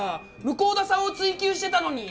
向田さんを追及してたのに。